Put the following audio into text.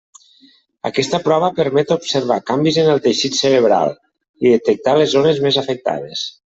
Aquesta prova permet observar canvis en el teixit cerebral i detectar les zones més afectades.